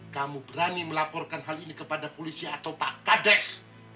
kamu berani melaporkan hal ini kepada polisi atau pak kades